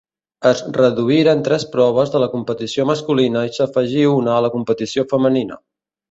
Es reduïren tres proves de la competició masculina i s'afegí una a la competició femenina.